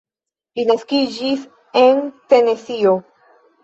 Li naskiĝis en Tenesio.